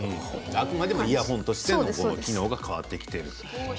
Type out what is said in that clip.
あくまでもイヤホンの機能が変わってきていると。